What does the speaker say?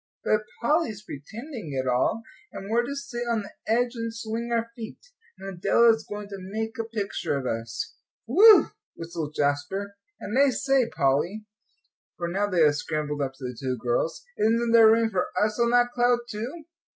But Polly's pretending it all; and we're to sit on the edge and swing our feet. And Adela is going to make a picture of us." "Whew!" whistled Jasper. "And I say, Polly," for now they had scrambled up to the two girls, "isn't there room for us on that cloud too?"